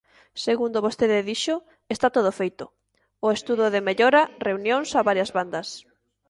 Segundo vostede dixo, está todo feito: o estudo de mellora, reunións a varias bandas.